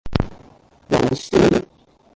老師